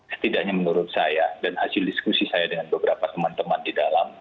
setidaknya menurut saya dan hasil diskusi saya dengan beberapa teman teman di dalam